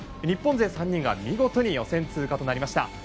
日本勢３人が見事に予選通過となりました。